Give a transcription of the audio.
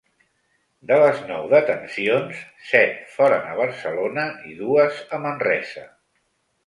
De les nou detencions, set foren a Barcelona i dues a Manresa.